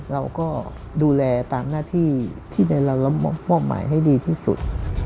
เราก็ดูแลตามหน้าที่ที่เรามอบหมายให้ดีที่สุด